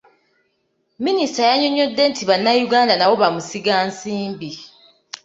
Minisita yannyonnyodde nti bannayuganda nabo bamusigansimbi.